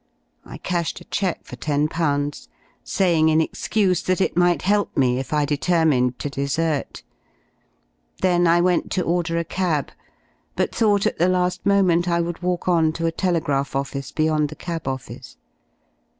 I cashed a cheque for j^io, saying in excuse that it might help me if I determined 51 to desert. Then I went to order a cab, but thought at the la^ moment I would walk on to a telegraph office beyond the cab office.